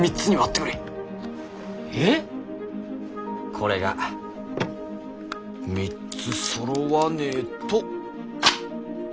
これが３つそろわねぇと。